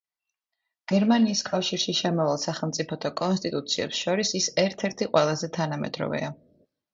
გერმანიის კავშირში შემავალ სახელმწიფოთა კონსტიტუციებს შორის ის ერთ-ერთი ყველაზე თანამედროვეა.